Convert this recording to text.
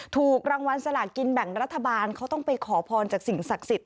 ถูกรางวัลสลากินแบ่งรัฐบาลเขาต้องไปขอพรจากสิ่งศักดิ์สิทธิ